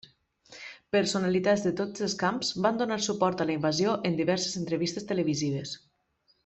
Personalitats de tots els camps van donar suport a la invasió en diverses entrevistes televisives.